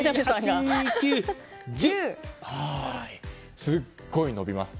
これで、すっごい伸びます。